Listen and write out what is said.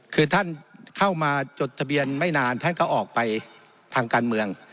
คือท่านเข้ามาจดทะเบียนไม่นานท่านก็ออกไปทางการเมือง